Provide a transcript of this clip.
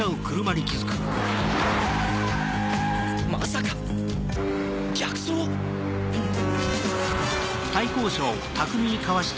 まさか逆走⁉フッ。